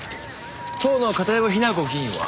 当の片山雛子議員は？